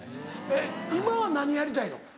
えっ今は何やりたいの？